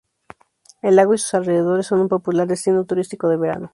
El lago y sus alrededores son un popular destino turístico de verano.